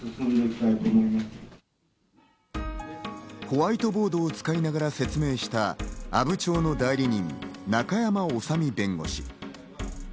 ホワイトボードを使いながら説明した阿武町の代理人・中山修身弁護士。